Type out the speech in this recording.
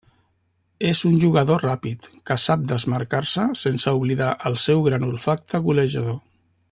És un jugador ràpid que sap desmarcar-se, sense oblidar el seu gran olfacte golejador.